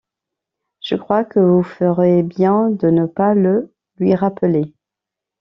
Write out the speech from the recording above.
Je crois que vous ferez bien de ne pas le lui rappeler.